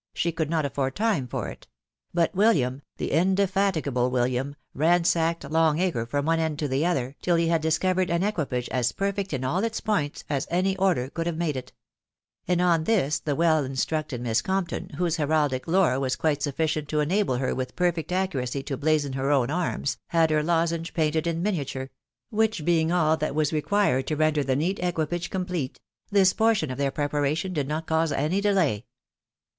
she could not afford time for it ;...• but William, the indefatigable William, ransacked Long Acre from one end to the other, till he had discovered an equipage as perfect in all its points as any order could have made it ; and on this the well instructed Miss Compton, whose heraldic lore was quite sufficient to enable her with perfect accuracy to blazon her own arms, had her lozenge painted in miniature ; which being all that was required to render the neat equipage complete, this portion of their preparation did not cause any delay.